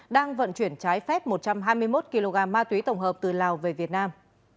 đang vận chuyển trái phép một trăm hai mươi một kg ma túy tổng hợp từ lào về việt nam